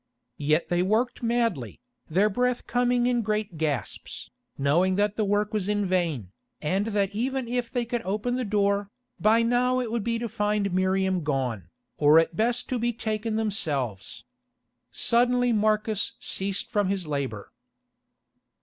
Yet they worked madly, their breath coming in great gasps, knowing that the work was in vain, and that even if they could open the door, by now it would be to find Miriam gone, or at the best to be taken themselves. Suddenly Marcus ceased from his labour.